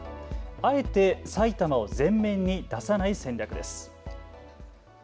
あえて埼玉を全面に出さない戦略です。